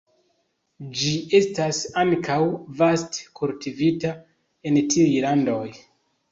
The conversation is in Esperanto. Ĝi estas ankaŭ vaste kultivita en tiuj landoj.